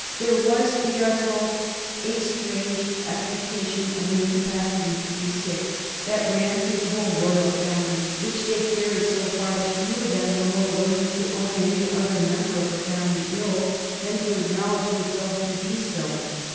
There was, we are told, a strange affectation of an incapacity to be sick that ran through the whole royal family, which they carried so far that few of them were more willing to own any other member of the family ill than to acknowledge themselves to be so.